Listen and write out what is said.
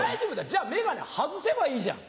じゃあ眼鏡外せばいいじゃん。